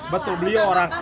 betul beliau orang